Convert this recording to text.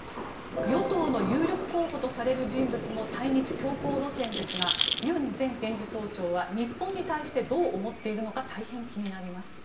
与党の有力候補とされる人物も対日強硬路線ですがユン前検事総長は日本に対してどう思っているのか大変気になります。